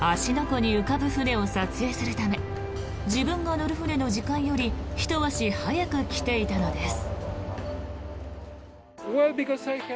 湖に浮かぶ船を撮影するため自分が乗る船の時間よりひと足早く来ていたのです。